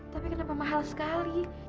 tapi kenapa mahal sekali